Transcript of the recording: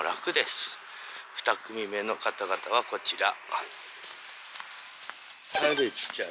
２組目の方々はこちら。